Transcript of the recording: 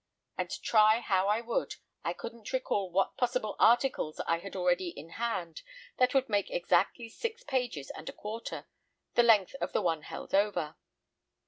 And try how I would, I couldn't recall what possible articles I had already in hand that would make exactly six pages and a quarter—the length of the one held over.